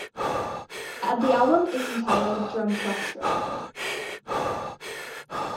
The album is entitled "Drumquestra".